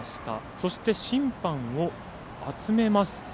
そして、審判を集めます。